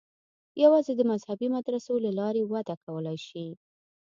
یوازې د مذهبي مدرسو له لارې وده کولای شي.